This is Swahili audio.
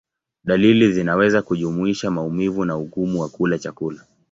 Dalili zinaweza kujumuisha maumivu na ugumu wa kula chakula.